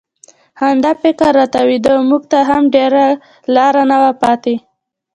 همدا فکر را تاوېده، موږ ته هم ډېره لاره نه وه پاتې.